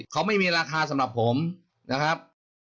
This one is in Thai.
เขาไม่มีราคาสำหรับผมนะครับ